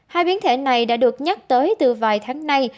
hai biến thể này đã được nhắc tới từ vài tháng nay